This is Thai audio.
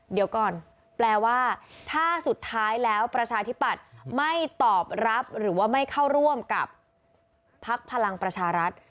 เดี๋ยวก่อนแปลว่าถ้าสุดท้ายแล้วประชาธิปัตย์ไม่ตอบรับหรือว่าไม่เข้าร่วมกับพักพลังประชารัฐ